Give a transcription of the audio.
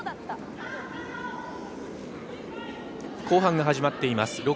後半が始まっています。